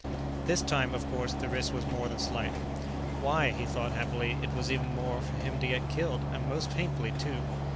This time, of course, the risk was more than slight. Why, he thought happily, it was even possible for him to get killed, and most painfully, too!